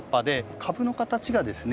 株の形がですね